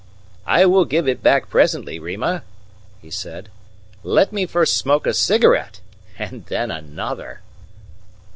"I will give it back presently, Rima," he said. "Let me first smoke a cigarette and then another."